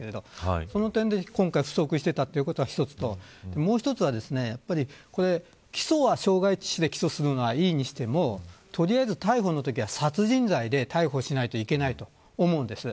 その点で今回不足していたというのが１つともう１つは起訴は傷害致死で起訴するのはいいにしても逮捕するときは殺人罪で逮捕しないといけないと思います。